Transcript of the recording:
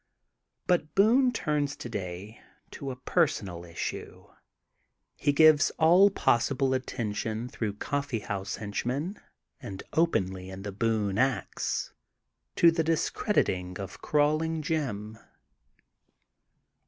But Boone turns today to a personal issue. He gives all pos sible attention through coffee house hench men, and openly, in The Boone, Axy to the dis crediting of Crawling Jim.''